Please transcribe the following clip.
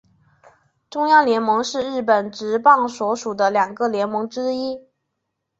中央联盟是日本职棒所属的两个联盟之一。